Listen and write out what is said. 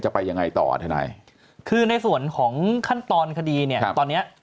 ไปยังไงต่อทนายคือในส่วนของขั้นตอนคดีเนี่ยตอนเนี้ย